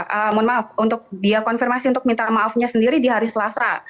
karena untuk dia konfirmasi untuk minta maafnya sendiri di hari selasa